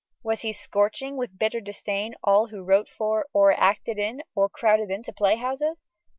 Was he scorching, with bitter disdain, all who wrote for, or acted in, or crowded into playhouses?...